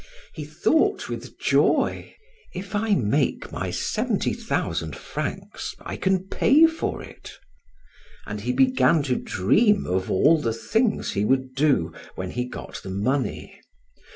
He thought with joy: "If I make my seventy thousand francs, I can pay for it" and he began to dream of all the things he would do when he got the money.